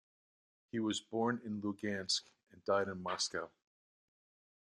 He was born in Lugansk, and died in Moscow.